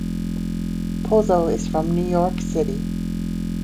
Pozo is from New York City.